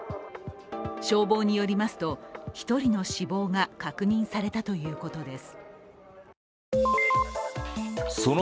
消防によりますと１人の死亡が確認されたということです。